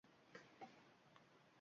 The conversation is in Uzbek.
Har tashlagan qadamim ichimda